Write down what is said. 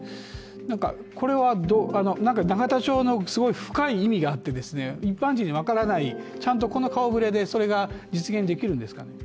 なんかこれは、永田町の、深い意味があって一般人に分からない、ちゃんとこの顔ぶれでそれが実現できるんですか？